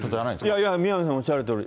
いやいや、宮根さんおっしゃるとおり。